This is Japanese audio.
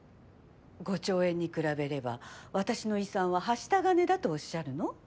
５兆円に比べれば私の遺産ははした金だとおっしゃるの？